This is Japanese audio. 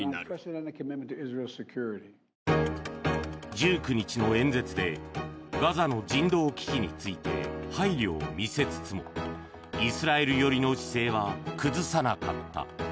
１９日の演説でガザの人道危機について配慮を見せつつもイスラエル寄りの姿勢は崩さなかった。